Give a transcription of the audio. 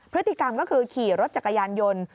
พฤติกรรมก็คือขี่รถจักรยานยนต์